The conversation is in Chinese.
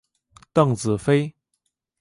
邓紫飞。